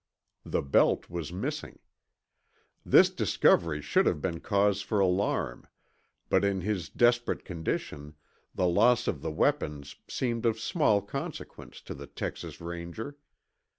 The belt was missing. This discovery should have been cause for alarm, but in his desperate condition, the loss of the weapons seemed of small consequence to the Texas Ranger.